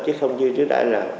chứ không như trước đây là